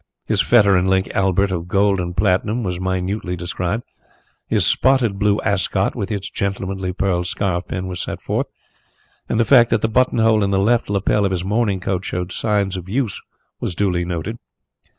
His fetter and link albert of gold and platinum was minutely described. His spotted blue ascot, with its gentlemanly pearl scarfpin, was set forth, and the fact that the buttonhole in the left lapel of his morning coat showed signs of use was duly noted.